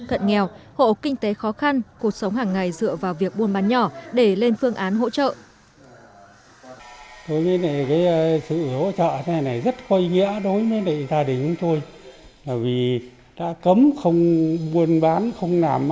cận nghèo hộ kinh tế khó khăn cuộc sống hàng ngày dựa vào việc buôn bán nhỏ để lên phương án hỗ trợ